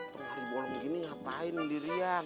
hari hari malam gini ngapain dirian